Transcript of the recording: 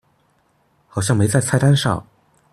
好像沒在菜單上